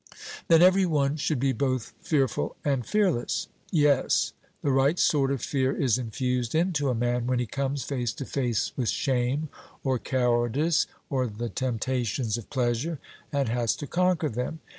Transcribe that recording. Then every one should be both fearful and fearless? 'Yes.' The right sort of fear is infused into a man when he comes face to face with shame, or cowardice, or the temptations of pleasure, and has to conquer them.